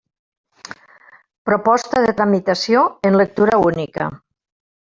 Proposta de tramitació en lectura única.